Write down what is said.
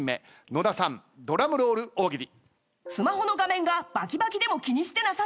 う大さんドラムロール大喜利。